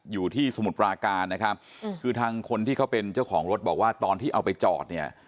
สมุทรปราการนะครับคือทางคนที่เขาเป็นเจ้าของรถบอกว่าตอนที่เอาไปจอดเนี่ย